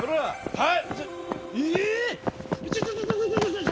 はい！